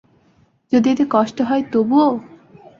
যদি এতে কষ্ট হয়, তবুও?